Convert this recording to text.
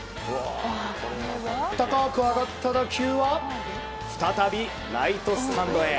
高く上がった打球は再びライトスタンドへ。